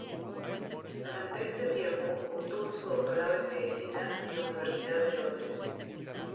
Durante este tiempo, obtuvo su doctorado en medicina en la Universidad de Londres.